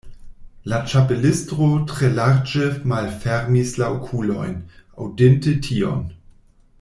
La Ĉapelisto tre larĝe malfermis la okulojn, aŭdinte tion.